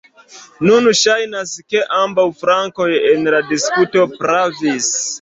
Nun ŝajnas ke ambaŭ flankoj en la diskuto pravis.